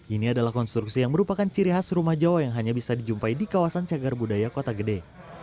ini adalah konstruksi yang merupakan ciri khas rumah jawa yang hanya bisa dijumpai di kawasan cagar budaya kota gede